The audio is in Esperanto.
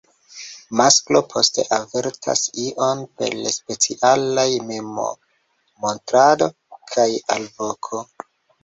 Masklo poste avertas inojn per specialaj memmontrado kaj alvoko.